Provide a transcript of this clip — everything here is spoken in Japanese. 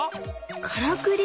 からくり？